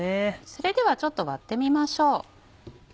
それではちょっと割ってみましょう。